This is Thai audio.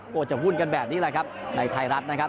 จะวุ่นกันแบบนี้แหละครับในไทยรัฐนะครับ